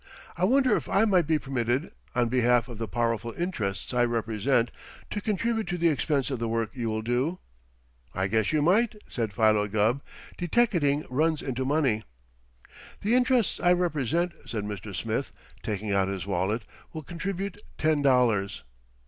I wonder if I might be permitted, on behalf of the powerful interests I represent, to contribute to the expense of the work you will do?" "I guess you might," said Philo Gubb. "Deteckating runs into money." "The interests I represent," said Mr. Smith, taking out his wallet, "will contribute ten dollars."